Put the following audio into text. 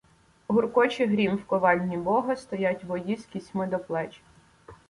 Гуркоче грім в ковальні Бога. Стоять вої з кісьми до плеч.